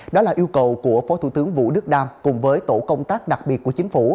đó là yêu cầu của phó thủ tướng vũ đức đam cùng với tổ công tác đặc biệt của chính phủ